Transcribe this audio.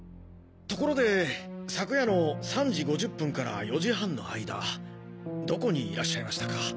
ところで昨夜の３時５０分から４時半の間どこにいらっしゃいましたか？